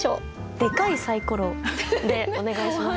「デカいサイコロ」でお願いします。